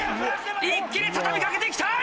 一気に畳み掛けて行きたい！